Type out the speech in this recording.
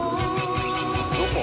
どこ？